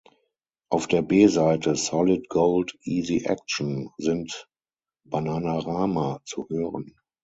Auf der B-Seite "Solid Gold Easy Action" sind Bananarama zu hören.